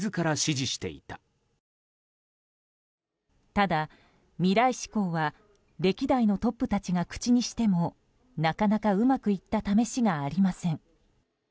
ただ、未来志向は歴代のトップたちが口にしてもなかなかうまくいった試しがありません。